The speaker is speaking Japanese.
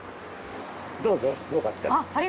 どうぞよかったら。